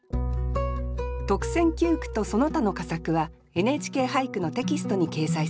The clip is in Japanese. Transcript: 特選九句とその他の佳作は「ＮＨＫ俳句」のテキストに掲載されます。